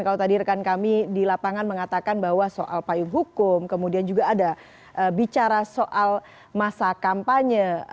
kalau tadi rekan kami di lapangan mengatakan bahwa soal payung hukum kemudian juga ada bicara soal masa kampanye